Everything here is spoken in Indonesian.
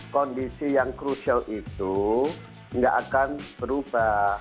kondisi yang krusial itu tidak akan berubah